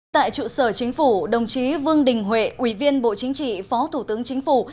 tại trụ sở chính phủ đồng chí vương đình huệ ủy viên bộ chính trị phó thủ tướng chính phủ